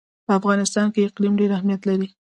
په افغانستان کې اقلیم ډېر اهمیت لري.